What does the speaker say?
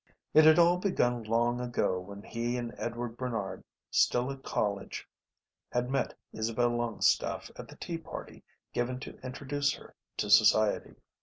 It had all begun long ago when he and Edward Barnard, still at college, had met Isabel Longstaffe at the tea party given to introduce her to society.